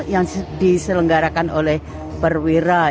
yang diselenggarakan oleh perwira